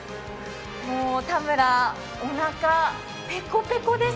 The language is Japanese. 田村、おなかペコペコです。